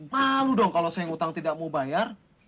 malu dong kalau saya yang utang tidak mau bayar